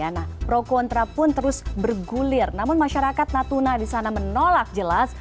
nah pro kontra pun terus bergulir namun masyarakat natuna di sana menolak jelas